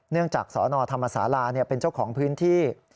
จากสนธรรมศาลาเป็นเจ้าของพื้นที่